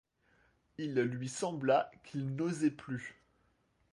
Il lui sembla qu'il n'osait plus.